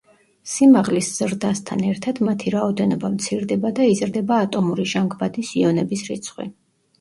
სიმაღლის ზრდასთან ერთად მათი რაოდენობა მცირდება და იზრდება ატომური ჟანგბადის იონების რიცხვი.